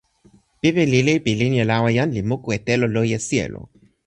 pipi lili pi linja lawa jan li moku e telo loje sijelo.